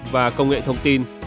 và công nghệ thông tin